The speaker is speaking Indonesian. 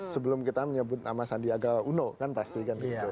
sebelum kita menyebut nama sandiaga uno kan pasti kan gitu